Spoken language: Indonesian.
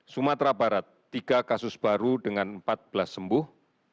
sumatera barat tiga kasus baru dengan empat belas sembuh